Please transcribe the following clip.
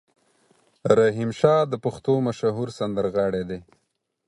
رحیم شا د پښتو مشهور سندرغاړی دی.